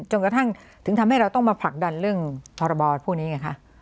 จนกระทั่งถึงทำให้เราต้องมาผลักดันเรื่องพรบพวกนี้ไงคะ